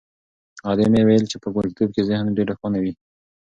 ادې مې ویل چې په وړکتوب کې ذهن ډېر روښانه وي.